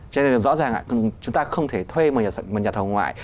cho nên rõ ràng chúng ta không thể thuê một nhà thầu ngoại